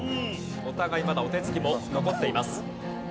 お互いまだお手つきも残っています。